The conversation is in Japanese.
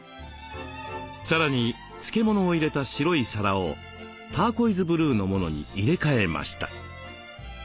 さらに漬物を入れた白い皿をターコイズブルーのものに入れ替えました。